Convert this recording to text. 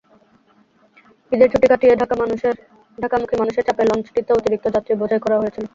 ঈদের ছুটি কাটিয়ে ঢাকামুখী মানুষের চাপে লঞ্চটিতে অতিরিক্ত যাত্রী বোঝাই করা হয়েছিল।